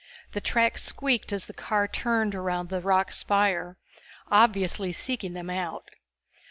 The tracks squeaked as the car turned around the rock spire, obviously seeking them out.